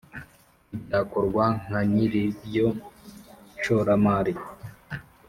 Ntibyakorwa nka nyir’iryo shoramari